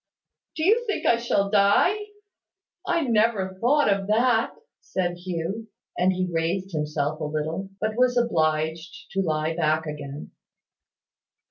"Do you think I shall die? I never thought of that," said Hugh. And he raised himself a little, but was obliged to lie back again.